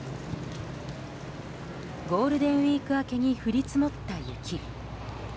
ゴールデンウィーク明けに降り積もった雪。